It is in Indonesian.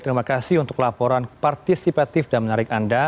terima kasih untuk laporan partisipatif dan menarik anda